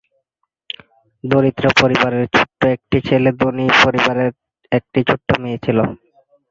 দরিদ্র পরিবারের ছোট্ট একটি ছেলে ধনী পরিবারের একটি ছোট মেয়ে ছিল।